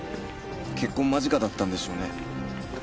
結婚間近だったんでしょうね。